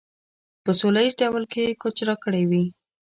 په سوله ایز ډول یې کوچ راکړی وي.